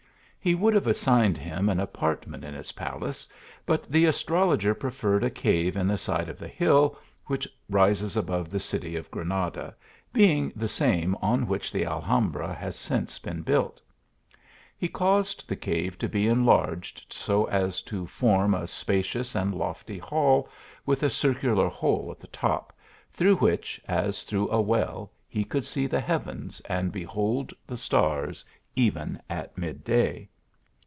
He would have assigned him an apartment in his palace, but the astrologer preferred a cave in the side of the hill, which rises above the city of Granada, being the same on which the Alhambra has since been built. He caused the cave to be en THE ARABIAN ASR TOL GER, 113 larged so as to form a spacious and lofty hall with a circular hole at the top, through which, as through a well, he could see the heavens and behold the stars even at mid day.